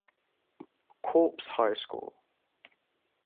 Corpse High School.